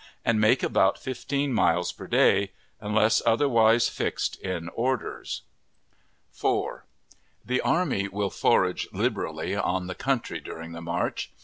and make about fifteen miles per day, unless otherwise fixed in orders. 4. The army will forage liberally on the country during the march.